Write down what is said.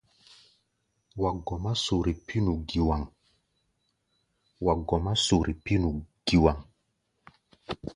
Wa gɔmá sore pínu giwaŋ.